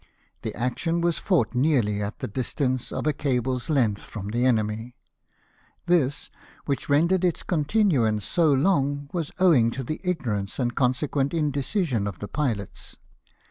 The action was fought nearly at the distance of a cable's length from the enemy. This, which rendered its continuance so long, was owing to the ignorance and consequent indecision of the pilots.